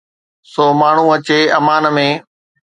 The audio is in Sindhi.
سو ماڻهو اچي امان ۾.